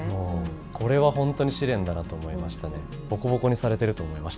これは本当に試練だなと思いましたね。